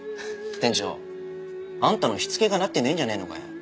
店長あんたのしつけがなってねえんじゃねえのかよ。